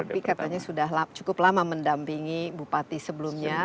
tapi katanya sudah cukup lama mendampingi bupati sebelumnya